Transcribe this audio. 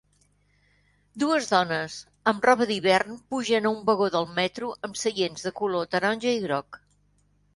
Dues dones amb roba d'hivern pugen a un vagó del metro amb seients de color taronja i groc.